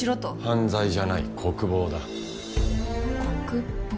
犯罪じゃない国防だ国防？